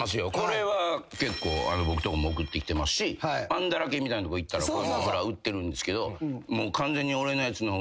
これは僕んとこも送ってきてますしまんだらけみたいなとこ行ったら売ってるんですけどもう完全に。